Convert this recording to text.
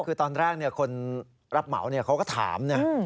คือตอนแรกคนรับเหมาเขาก็ถามนะ